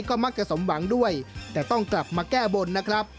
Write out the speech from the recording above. ก็มักจะสมหวังด้วยแต่ต้องกลับมาแก้บนนะครับ